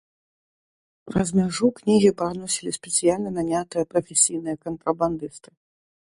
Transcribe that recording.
Праз мяжу кнігі праносілі спецыяльна нанятыя прафесійныя кантрабандысты.